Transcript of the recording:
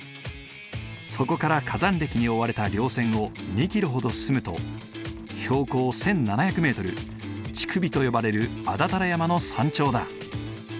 そこから火山れきに覆われた稜線を２キロほど進むと標高１，７００メートル乳首と呼ばれる安達太良山の山頂だ。